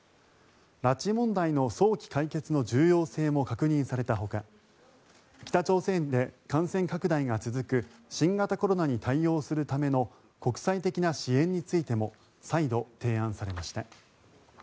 拉致問題の早期解決の重要性も確認されたほか北朝鮮で感染拡大が続く新型コロナに対応するための国際的な支援についても再度、提案されました。